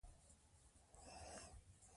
زه د خپل ژوند هدفونه په کاغذ لیکم.